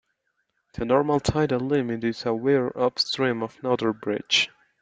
The normal tidal limit is a weir upstream of Notter Bridge.